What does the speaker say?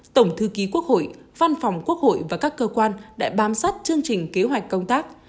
tổng thư ký quốc hội văn phòng quốc hội và các cơ quan đã bám sát chương trình kế hoạch công tác